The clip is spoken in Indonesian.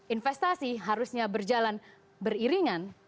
investasi harusnya berjalan beriringan